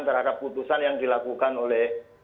terhadap putusan yang dilakukan oleh